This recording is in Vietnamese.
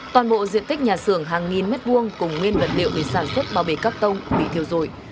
toàn bộ diện tích nhà sưởng hàng nghìn mét vuông cùng nguyên vật liệu để sản xuất bao bề cắp tông bị thiêu dội